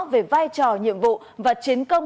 về vai trò nhiệm vụ và chiến công